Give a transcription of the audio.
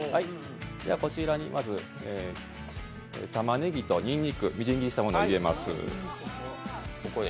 こちらにまず、たまねぎとにんにく、みじん切りにしたものを入れます。